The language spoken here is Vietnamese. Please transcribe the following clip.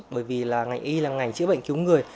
bởi vì là ngành y là ngành chữa bệnh cứu người